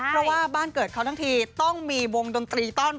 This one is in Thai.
เพราะว่าบ้านเกิดเขาทั้งทีต้องมีวงดนตรีต้อนรับ